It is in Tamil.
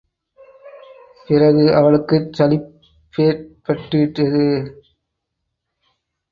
பிறகு அவளுக்குச் சலிப்பேற்பட்டுவிட்டது.